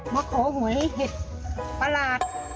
มะโขเหมือยเห็ดประหลาด